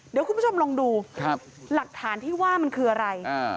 เดี๋ยวคุณผู้ชมลองดูหลักฐานที่ว่ามันคืออะไร